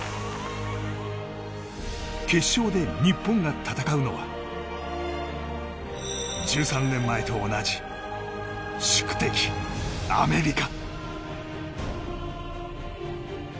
決勝で日本が戦うのは１３年前と同じ宿敵・アメリカ。